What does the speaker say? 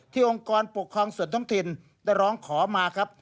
องค์กรปกครองส่วนท้องถิ่นได้ร้องขอมาครับ